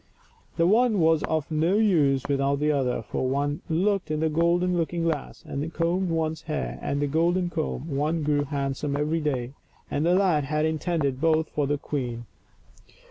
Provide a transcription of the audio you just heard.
The one was of no use without the other, for when one looked in the golden looking glass, and combed one's hair with the golden comb, one grew handsome* every day, and the lad had intended both for the queen.